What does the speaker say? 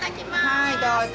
はいどうぞ。